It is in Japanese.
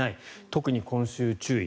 特に今週、注意。